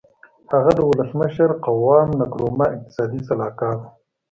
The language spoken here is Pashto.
هغه د ولسمشر قوام نکرومه اقتصادي سلاکار و.